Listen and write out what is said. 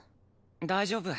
大丈夫。